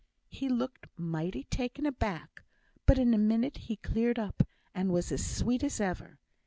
He looked mighty taken aback; but in a minute he cleared up, and was as sweet as ever.